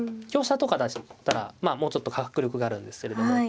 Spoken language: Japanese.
香車とかだったらまあもうちょっと迫力があるんですけれども。